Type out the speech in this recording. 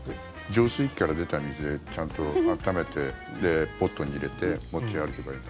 浄水器から出た水でちゃんと温めてで、ポットに入れて持ち歩けばいい。